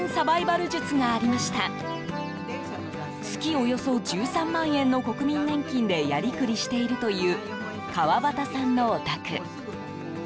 およそ１３万円の国民年金でやりくりしているという川端さんのお宅。